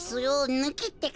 ぬきってか。